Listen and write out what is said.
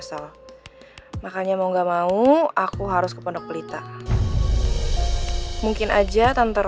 sampai jumpa di video selanjutnya